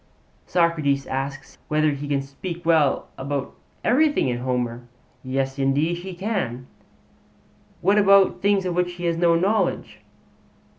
Socrates asks whether he can speak well about everything in Homer. 'Yes, indeed he can.' 'What about things of which he has no knowledge?'